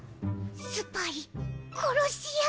スパイ殺し屋？